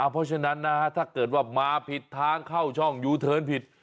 เพราะฉะนั้นถ้าเกิดว่ามาผิดทางเข้าช่องยูเทิร์นผิด